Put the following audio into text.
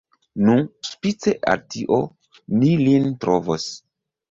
Nu, spite al tio, ni lin trovos.